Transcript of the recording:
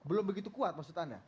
belum begitu kuat maksudannya